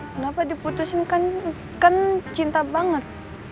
kenapa diputusin kan kan cinta banget